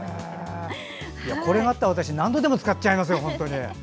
これがあったら何度でも使っちゃいますよ。